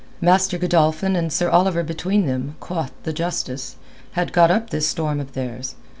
Master Godolphin and Sir Oliver between them, quoth the justice, had got up this storm of theirs.